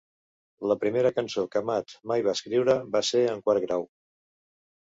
La primera cançó que Matt mai va escriure va ser en quart grau.